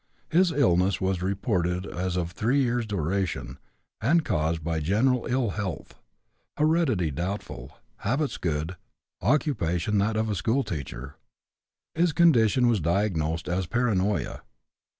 His illness was reported as of three years' duration, and caused by general ill health; heredity doubtful, habits good, occupation that of a schoolteacher. His condition was diagnosed as paranoia.